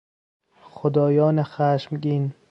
خدایان خشمگین